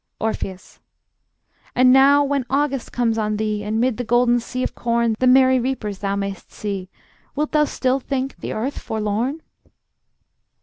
Orpheus: And now when August comes on thee, And 'mid the golden sea of corn The merry reapers thou mayst see, Wilt thou still think the earth forlorn?